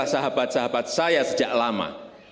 sahabat sahabat saya sejak lama